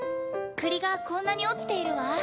栗がこんなに落ちているわ。